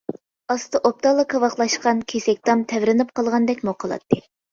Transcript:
ئاستى ئوبدانلا كاۋاكلاشقان كېسەك تام تەۋرىنىپ قالغاندەكمۇ قىلاتتى.